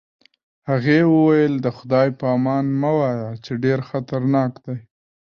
هغې وویل: د خدای په امان مه وایه، چې ډېر خطرناک دی.